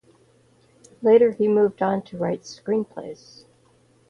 Later, he moved on to write screenplays.